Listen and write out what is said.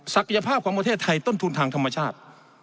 ยภาพของประเทศไทยต้นทุนทางธรรมชาติ